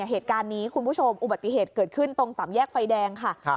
เหตุการณ์นี้คุณผู้ชมอุบัติเหตุเกิดขึ้นตรงสามแยกไฟแดงค่ะ